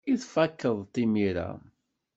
I tfakeḍ-t imir-a?